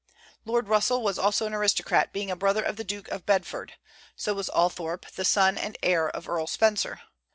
Lord Russell was also an aristocrat, being a brother of the Duke of Bedford; so was Althorp, the son and heir of Earl Spencer.